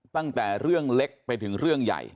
ตั้งแต่เรื่องเล็กไปถึงเรื่องใหญ่